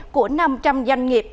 của năm trăm linh doanh nghiệp